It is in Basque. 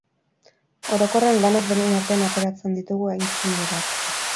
Orokorrean lanak denon artean ateratzen ditugu aitzinerat